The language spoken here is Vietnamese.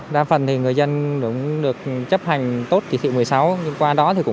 đa phần thì người dân được chấp hành tốt kỳ thị một mươi sáu